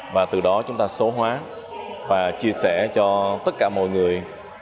và từ đó chúng ta số hóa và chia sẻ cho tất cả mọi người